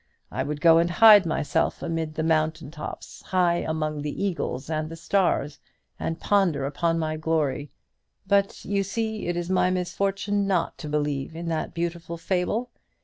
I would go and hide myself amid the mountain tops, high up amongst the eagles and the stars, and ponder upon my glory. But you see it is my misfortune not to believe in that beautiful fable.